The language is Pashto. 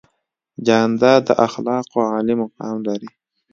جانداد د اخلاقو عالي مقام لري.